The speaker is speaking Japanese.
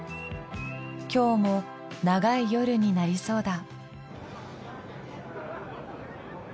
今日も長い夜になりそうだ。